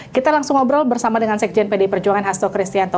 kita langsung ngobrol bersama dengan sekjen pdi perjuangan hasto kristianto